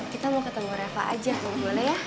kita mau ketemu reva aja boleh ya